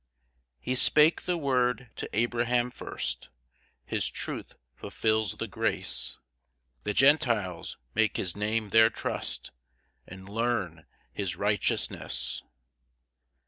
2 He spake the word to Abraham first, His truth fulfils the grace: The Gentiles make his Name their trust, And learn his righteousness.